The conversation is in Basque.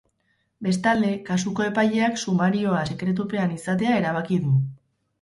Bestalde, kasuko epaileak sumarioa sekretupean izatea erabaki du.